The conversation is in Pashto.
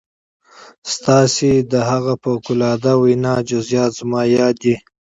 ستاسې د هغې فوق العاده وينا جزئيات زما ياد دي.